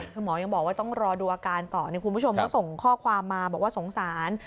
คือหมอยังบอกว่าต้องรอดูอาการต่อคุณผู้ชมก็ส่งข้อความมาบอกว่าสงสาร